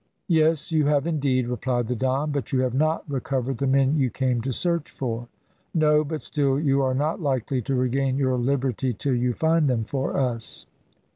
"Yes, you have indeed," replied the Don; "but you have not recovered the men you came to search for." "No; but still you are not likely to regain your liberty till you find them for us."